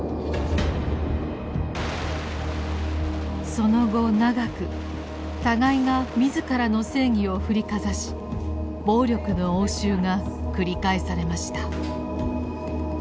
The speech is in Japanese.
その後長く互いが自らの正義を振りかざし暴力の応酬が繰り返されました。